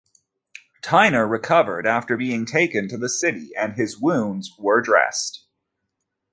Tyner recovered after being taken to the city and his wounds were dressed.